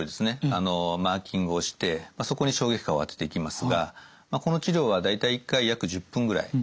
マーキングをしてそこに衝撃波を当てていきますがこの治療は大体１回約１０分ぐらい。